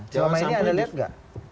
cuma mainnya ada led gak